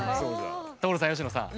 所さん佳乃さん。